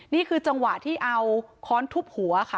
นี่คือจังหวะที่เอาค้อนทุบหัวค่ะ